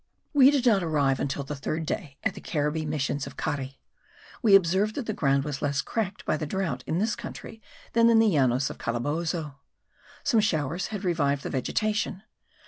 We did not arrive until the third day at the Caribbee missions of Cari. We observed that the ground was less cracked by the drought in this country than in the Llanos of Calabozo. Some showers had revived the vegetation.